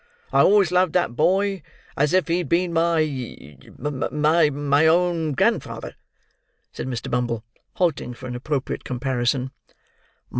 I always loved that boy as if he'd been my—my—my own grandfather," said Mr. Bumble, halting for an appropriate comparison.